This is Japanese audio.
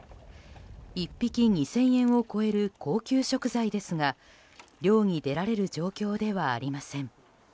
１匹２０００円を超える高級食材ですが漁に出られる状況ではありません。